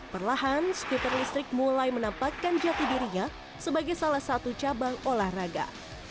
perlahan skuter listrik mulai menampakkan jati dirinya sebagai salah satu cabang olahraga